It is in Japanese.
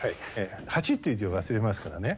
「８っていう字を忘れますからね」